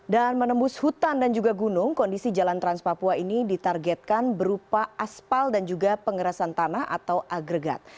dan menembus hutan dan juga gunung kondisi jalan trans papua ini ditargetkan berupa aspal dan juga pengerasan tanah atau agregat